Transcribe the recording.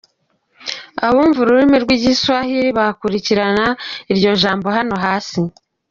Abumva ururimi rw’igiswahili bakurikira iryo jambo hano hasi: